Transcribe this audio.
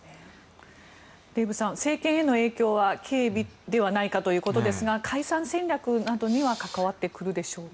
デーブさん政権への影響は軽微ではないかということですが解散戦略などには関わってくるでしょうか？